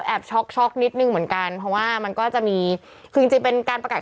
ช็อกช็อกนิดนึงเหมือนกันเพราะว่ามันก็จะมีคือจริงจริงเป็นการประกาศ